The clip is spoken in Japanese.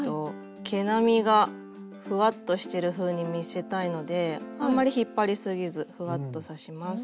毛並みがふわっとしてるふうに見せたいのであんまり引っ張りすぎずふわっと刺します。